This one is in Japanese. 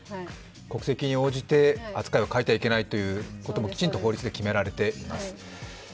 国籍に応じて扱いを変えてはいけないということもきちんと法律で決められています。